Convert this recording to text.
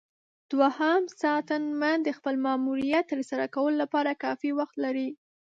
دوهم ساتنمن د خپل ماموریت ترسره کولو لپاره کافي وخت لري.